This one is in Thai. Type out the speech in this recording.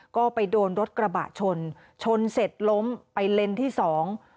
ก็ไปโดนรถกระบะชนชนเสร็จล้มไปเลนที่สอง